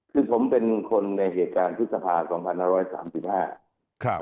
คือผมเป็นคนในเหตุการณ์ศึกษภาคม๒๕๓๕